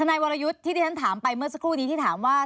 นายวรยุทธ์ที่ที่ฉันถามไปเมื่อสักครู่นี้ที่ถามว่า